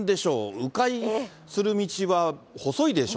う回する道は、細いでしょ？